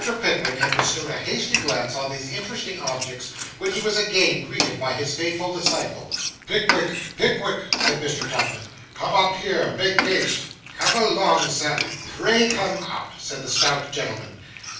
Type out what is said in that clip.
Pickwick had bestowed a hasty glance on these interesting objects, when he was again greeted by his faithful disciple. 'Pickwick Pickwick,' said Mr. Tupman; 'come up here. Make haste.' 'Come along, Sir. Pray, come up,' said the stout gentleman.